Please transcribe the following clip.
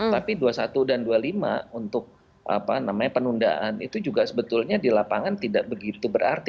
tapi dua puluh satu dan dua puluh lima untuk penundaan itu juga sebetulnya di lapangan tidak begitu berarti